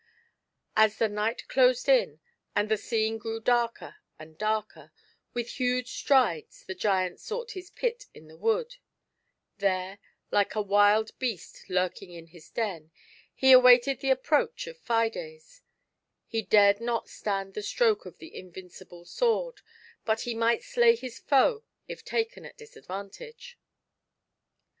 As the night closed in and the scene grew darker and darker, with huge strides the giant sought his pit in the wood ; there, like a wild beast lurking in his den, he awaited the approach of Fides — he dared not stand the stroke of the invin cible sword, but he might slay his foe if taken at dis advantage.